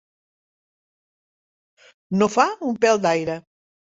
No fa un pèl d'aire.